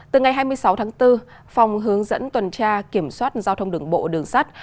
từ ngày hai mươi sáu tháng bốn phòng hướng dẫn tuần tra kiểm soát giao thông đường bộ đường sắt